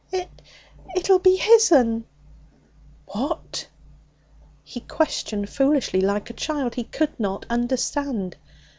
'It it'll be his'n.' 'What?' He questioned foolishly, like a child. He could not understand.